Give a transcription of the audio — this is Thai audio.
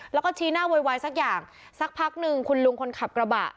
แล้วก็ชี้หน้าโวยวายสักอย่างสักพักหนึ่งคุณลุงคนขับกระบะ